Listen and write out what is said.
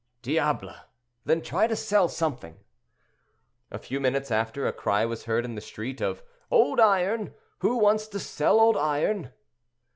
"Diable! then try to sell something." A few minutes after a cry was heard in the street of "Old iron! who wants to sell old iron?"